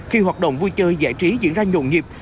khi hoạt động vui chơi giải trí diễn ra nhộn nhịp